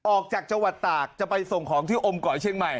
ออกจากจังหวัดตากจะไปส่งของที่อมก่อยเชียงใหม่